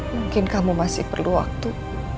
mungkin kamu masih perlu waktu